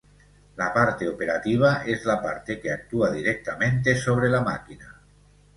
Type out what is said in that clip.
La parte operativa es la parte que actúa directamente sobre la máquina.